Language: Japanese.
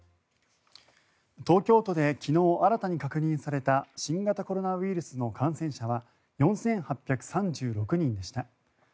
東京都で昨日新たに確認された新型コロナウイルスの感染者は４８３６人でした。